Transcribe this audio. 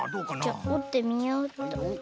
じゃおってみようっと。